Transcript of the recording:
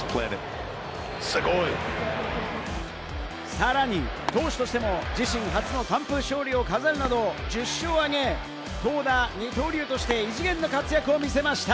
さらに投手としても自身初の完封勝利を飾るなど１０勝を挙げ、投打二刀流として、異次元の活躍を見せました。